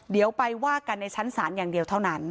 เดี๋ยวไปว่ากันในชั้นศาลอย่างเดียวเท่านั้น